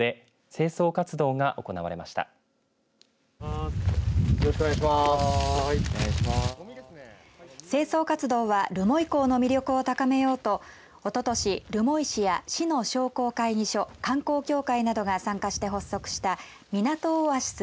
清掃活動は留萌港の魅力を高めようとおととし留萌市や市の商工会議所観光協会などが参加して発足したみなとオアシス